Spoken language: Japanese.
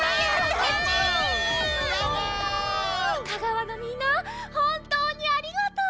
香川のみんなほんとうにありがとう！